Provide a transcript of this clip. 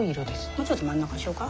もうちょっと真ん中しようか？